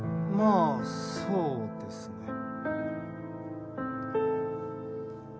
まあそうですね。